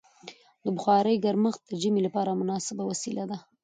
د بخارۍ ګرمښت د ژمي لپاره مناسبه وسیله ده.